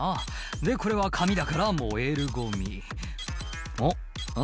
「でこれは紙だから燃えるゴミ」「あっ何だ？